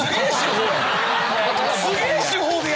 すげえ手法や。